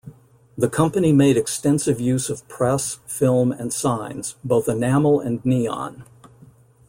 The company made extensive use of press, film and signs, both enamel and neon.